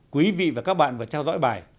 quý vị và các bạn vừa theo dõi bài